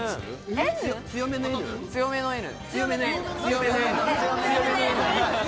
強めのＮ！